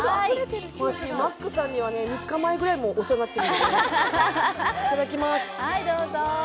私、マックさんには３日前ぐらいにお世話になってる。